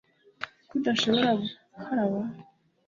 ko udashobora gukaraba